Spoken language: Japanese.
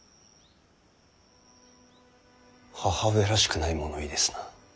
母上らしくない物言いですな。